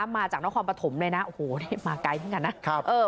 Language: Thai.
มาจากน้องความปฐมเลยนะโอ้โหนี่มาไกลทั้งกันนะครับเออ